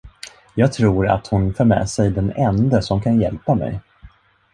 Jag tror, att hon för med sig den ende, som kan hjälpa mig.